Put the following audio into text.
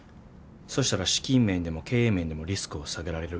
そしたら資金面でも経営面でもリスクを下げられる。